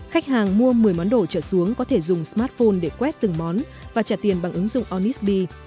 khách hàng mua một mươi món đồ trở xuống có thể dùng smartphone để quét từng món và trả tiền bằng ứng dụng onisb